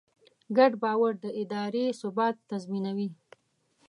ګډ باور د ادارې ثبات تضمینوي.